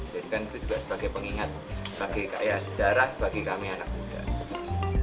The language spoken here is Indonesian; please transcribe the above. jadi kan itu juga sebagai pengingat sebagai sejarah bagi kami anak muda